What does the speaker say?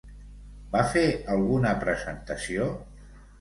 Va fer alguna presentació?